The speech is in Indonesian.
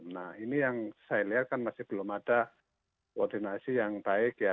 nah ini yang saya lihat kan masih belum ada koordinasi yang baik ya